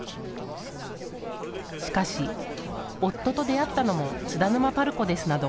しかし、夫と出会ったのも津田沼パルコですなど